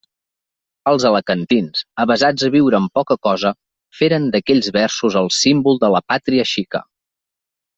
Els alacantins, avesats a viure amb poca cosa, feren d'aquells versos el símbol de la pàtria xica.